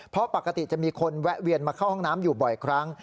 เพราะปกติจะมีคนแวะเวียนมาเข้าห้องน้ำอยู่บ่อยครั้ง